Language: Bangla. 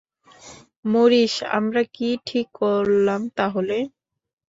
মরিস, আমরা কি ঠিক করলাম তাহলে?